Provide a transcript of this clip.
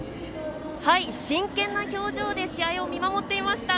真剣な表情で試合を見守っていました。